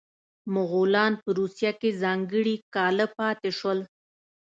مغولان په روسیه کې ځانګړي کاله پاتې شول.